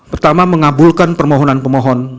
pertama mengabulkan permohonan pemohon